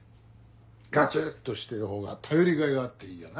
ガチっとしてるほうが頼りがいがあっていいよな。